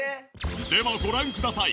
ではご覧ください。